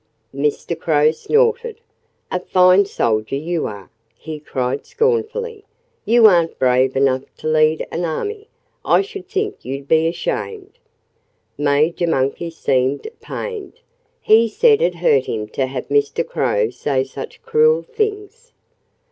Mr. Crow snorted. "A fine soldier you are!" he cried scornfully. "You aren't brave enough to lead an army. I should think you'd be ashamed." Major Monkey seemed pained. He said it hurt him to have Mr. Crow say such cruel things.